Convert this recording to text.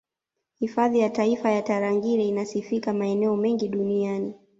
Hifadhi ya taifa ya Tarangire inasifika maeneo mengi Duniani